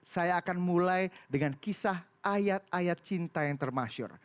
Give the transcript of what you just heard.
saya akan mulai dengan kisah ayat ayat cinta yang termasyur